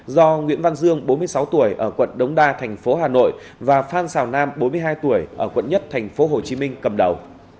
do nguyễn văn dương bốn mươi sáu tuổi ở quận đống đa thành phố hà nội và phan xào nam bốn mươi hai tuổi ở quận một thành phố hồ chí minh cầm đầu